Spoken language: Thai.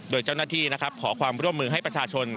โดยเจ้าหน้าที่นะครับขอความร่วมมือให้ประชาชน